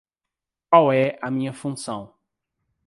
Qual é a minha função?